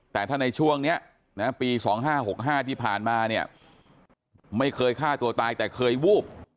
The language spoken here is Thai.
แต่ถ้าในช่วงนี้ปี๒๕๖๕ที่ผ่านมาเนี่ยไม่เคยฆ่าตัวตายแต่เคยวูบ